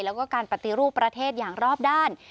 แล้วก็การปฏิรูปประเทศอย่างรอบด้าน